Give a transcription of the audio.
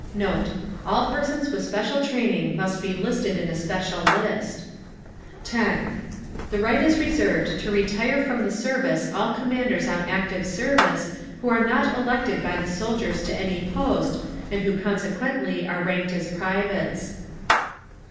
Note.—All persons with special training must be listed in a special list. 10. The right is reserved to retire from the service all commanders on active service who are not elected by the soldiers to any post, and who consequently are ranked as privates.